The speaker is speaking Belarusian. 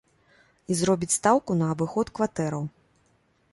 І зробіць стаўку на абыход кватэраў.